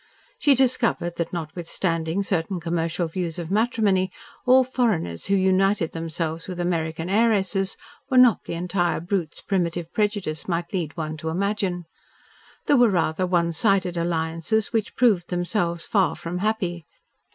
She discovered that notwithstanding certain commercial views of matrimony, all foreigners who united themselves with American heiresses were not the entire brutes primitive prejudice might lead one to imagine. There were rather one sided alliances which proved themselves far from happy.